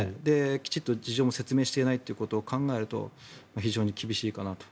きちんと事情も説明していないということを考えると非常に厳しいかなと。